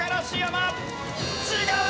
違う！